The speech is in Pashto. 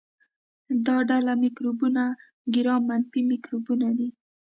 دا ډله مکروبونه ګرام منفي مکروبونه دي.